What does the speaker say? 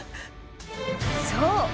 そう！